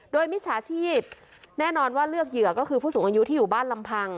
โดยมิจฉาชีพแน่นอนว่าเลือกเหยื่อก็คือผู้สูงอายุที่อยู่บ้านลำพัง